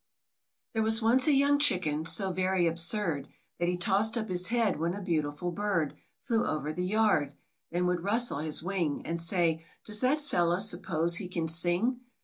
T HERE was once a young Chicken, so very absurd, That he tossed up his head when a beautiful bird Flew over the yard ; then would rustle his wing, And say, " Does that fellow suppose he can sing